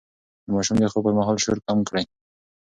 د ماشوم د خوب پر مهال شور کم کړئ.